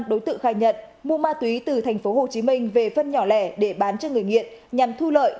đối tượng khai nhận mua ma túy từ tp hcm về phân nhỏ lẻ để bán cho người nghiện nhằm thu lợi